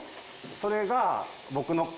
それが。